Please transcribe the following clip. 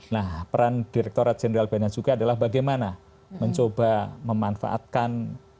nah peran direkturat jenderal bena cukai adalah bagaimana mencoba memanfaatkan